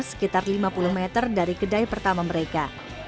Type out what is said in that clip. sekitar lima puluh meter dari kedai pertama mereka